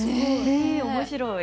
面白い。